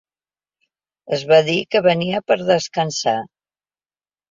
Es va dir que venia per descansar.